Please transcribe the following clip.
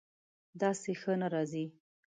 داسې ښه نه راځي